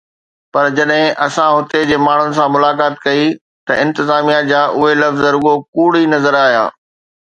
پر جڏهن اسان هتي جي ماڻهن سان ملاقات ڪئي ته انتظاميه جا اهي لفظ رڳو ڪوڙ ئي نظر آيا.